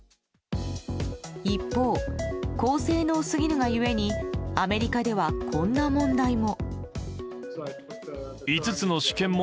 一方、高性能すぎるがゆえにアメリカでは、こんな問題も。